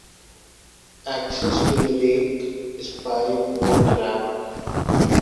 Access to the lake is by boat ramp.